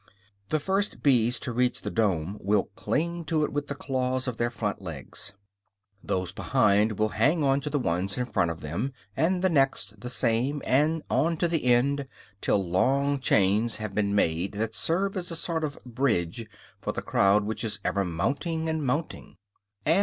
The first bees to reach the dome will cling to it with the claws of their front legs; those behind will hang on to the ones in front of them, and the next the same, and so on to the end, till long chains have been made that serve as a sort of bridge for the crowd which is ever mounting and mounting.